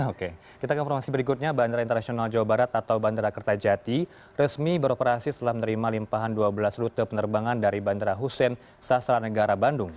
oke kita ke informasi berikutnya bandara internasional jawa barat atau bandara kertajati resmi beroperasi setelah menerima limpahan dua belas rute penerbangan dari bandara hussein sastra negara bandung